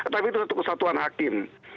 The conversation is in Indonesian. tapi itu untuk kesatuan hakim